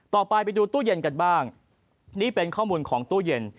ไปดูตู้เย็นกันบ้างนี่เป็นข้อมูลของตู้เย็น